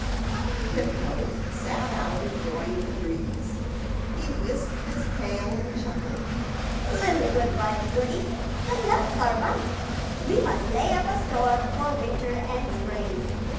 Timmy Tiptoes sat out, enjoying the breeze; he whisked his tail and chuckled "Little wife Goody, the nuts are ripe; we must lay up a store for winter and spring."